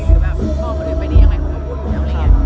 หรือแบบควรบอกคนอื่นไปดีอย่างไร